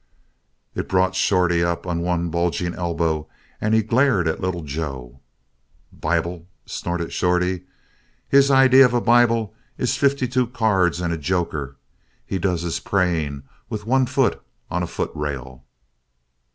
It brought Shorty up on one bulging elbow and he glared at Little Joe. "Bible?" snorted Shorty. "His idea of a Bible is fifty two cards and a joker. He does his praying with one foot on a footrail."